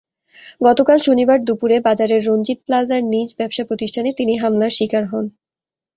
গতকাল শনিবার দুপুরে বাজারের রঞ্জিত প্লাজার নিজ ব্যবসাপ্রতিষ্ঠানে তিনি হামলার শিকার হন।